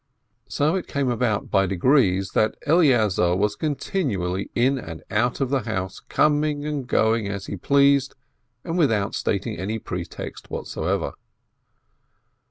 So it came about by degrees that Eleazar was con tinually in and out of the house, coming and going as he pleased and without stating any pretext whatever.